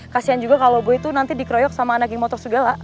kasian juga kalau gue itu nanti dikeroyok sama anak yang motor segala